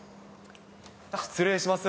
失礼します。